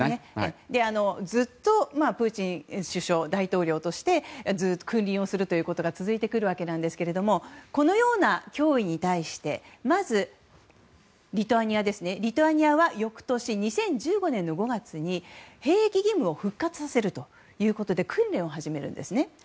ずっとプーチン首相、大統領が君臨するという時期が続いてくるわけですけどもこのような脅威に対してまず、リトアニアは翌年２０１５年の５月に兵役義務を復活するということで訓練を始めるんですね。